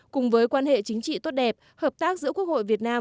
cùng với quan hệ chính trị tốt đẹp hợp tác giữa quốc hội việt nam